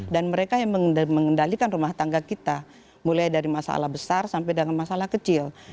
dan mereka yang mengendalikan rumah tangga kita mulai dari masalah besar sampai dengan masalah kecil